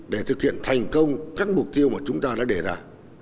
để thực hiện thành công các mục tiêu mà chúng ta đã đề ra